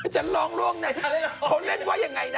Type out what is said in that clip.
ไม่จะลองลงหน้าเขาเล่นว่าอย่างไรนะ